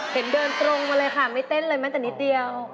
เห็นเดินตรงมาเลยค่ะไม่เต้นเลยแม้แต่นิดเดียว